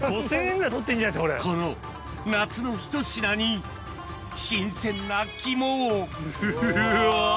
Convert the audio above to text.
この夏のひと品に新鮮な肝をうわ。